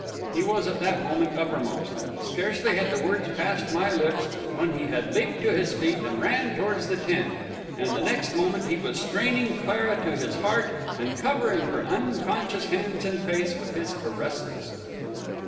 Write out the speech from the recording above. He was at that moment uppermost. Scarcely had the words passed my lips, when he had leaped to his feet and ran towards the tent; and the next moment, he was straining Clara to his heart and covering her unconscious hands and face with his caresses.